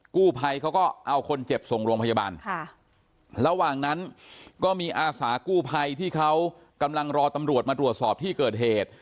กู้ภัยเขาก็เอาคนเจ็บส่งโรงพยาบาลค่ะระหว่างนั้นก็มีอาสากู้ภัยที่เขากำลังรอตำรวจมาตรวจสอบที่เกิดเหตุ